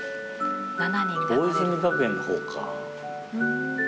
大泉学園のほうか。